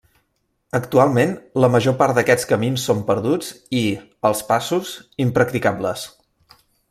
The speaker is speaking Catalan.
Actualment la major part d'aquests camins són perduts i, els passos, impracticables.